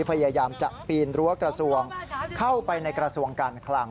พยายามจะปีนรั้วกระทรวงเข้าไปในกระทรวงการคลัง